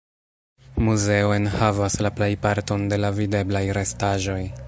Muzeo enhavas la plejparton de la videblaj restaĵoj.